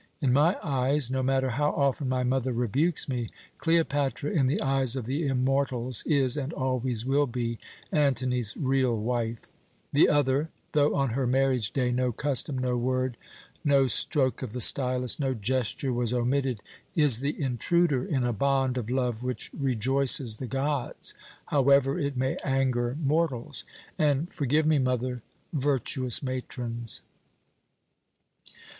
In my eyes no matter how often my mother rebukes me Cleopatra, in the eyes of the immortals, is and always will be Antony's real wife; the other, though on her marriage day no custom, no word, no stroke of the stylus, no gesture was omitted, is the intruder in a bond of love which rejoices the gods, however it may anger mortals, and forgive me, mother virtuous matrons."